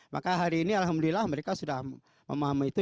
maka hari ini alhamdulillah mereka sudah memahami itu